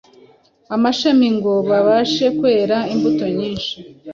amashami ngo babashe kwera imbuto nyinshi.